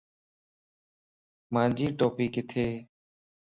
مانجي ٽوپي ڪٿي؟